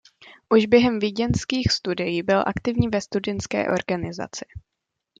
Už během vídeňských studií byl aktivní ve studentské organizaci.